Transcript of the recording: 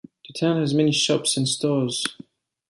The town has many shops and stores.